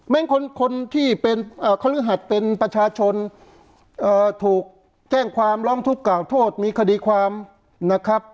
แม้คนครึ่งฮัตเป็นประชาชนถูกแกล้งความร้องทุกข์กราวโทษมีคดีความนะครับ